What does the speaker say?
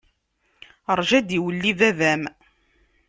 Rju ad d-iwelli baba-m.